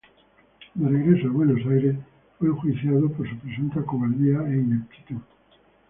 De regreso en Buenos Aires, fue enjuiciado por su presunta cobardía e ineptitud.